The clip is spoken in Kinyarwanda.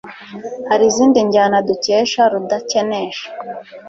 hari izindi njyana dukesha rudakenesha